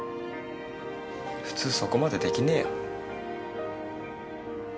普通そこまでできねえよ。